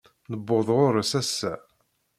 Newweḍ ɣur-s ass-a.